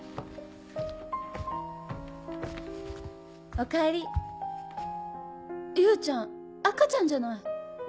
おかえり雄ちゃん赤ちゃんじゃない！